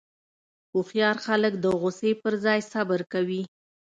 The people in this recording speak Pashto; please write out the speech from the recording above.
هوښیار خلک د غوسې پر ځای صبر کوي.